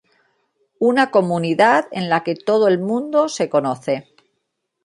Una comunidad en la que todo el mundo se conoce.